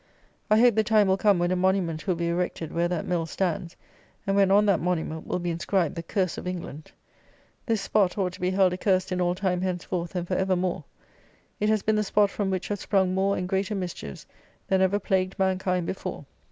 I hope the time will come, when a monument will be erected where that mill stands, and when on that monument will be inscribed the curse of England. This spot ought to be held accursed in all time henceforth and for evermore. It has been the spot from which have sprung more and greater mischiefs than ever plagued mankind before.